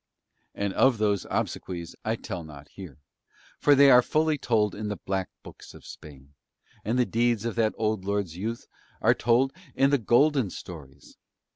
And of those obsequies I tell not here, for they are fully told in the Black Books of Spain, and the deeds of that old lord's youth are told in the Golden Stories.